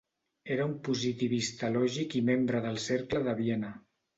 Era un positivista lògic i membre del Cercle de Viena.